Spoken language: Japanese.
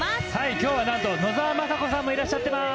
きょうはなんと野沢雅子さんもいらっしゃっています。